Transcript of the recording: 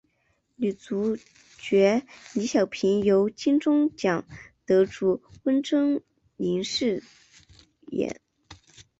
女主角李晓萍由金钟奖得主温贞菱饰演。